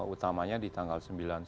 utamanya di tanggal sembilan sepuluh sebelas